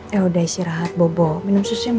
ya udah isi rahat bobo minum susu